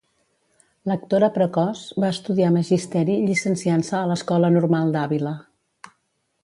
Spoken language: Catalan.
Lectora precoç, va estudiar Magisteri, llicenciant-se a l'Escola Normal d'Àvila.